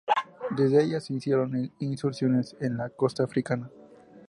Desde ella se hicieron incursiones en la costa africana.